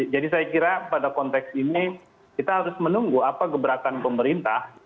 jadi saya kira pada konteks ini kita harus menunggu apa gebrakan pemerintah